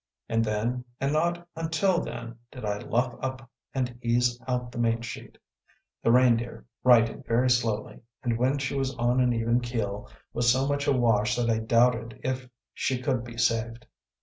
And then, and not until then, did I luff up and ease out the main sheet. The Reindeer righted very slowly, and when she was on an even keel was so much awash that I doubted if she could be saved.